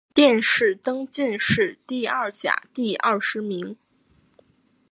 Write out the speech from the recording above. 殿试登进士第二甲第二十名。